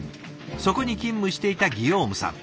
そこに勤務していたギヨームさん。